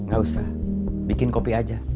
gak usah bikin kopi aja